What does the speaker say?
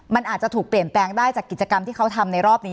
มันอาจจะถูกเปลี่ยนแปลงได้จากกิจกรรมที่เขาทำในรอบนี้